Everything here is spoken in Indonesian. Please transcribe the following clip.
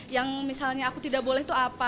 yang misalnya aku tidak boleh itu apa